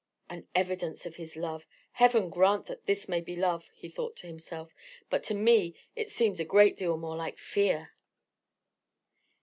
"An evidence of his love! Heaven grant this may be love," he thought to himself; "but to me it seems a great deal more like fear!"